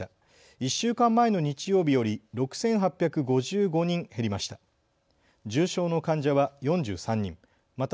１週間前の日曜日より６８５５人減りました。